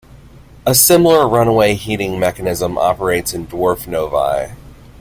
A similar runaway heating mechanism operates in dwarf novae.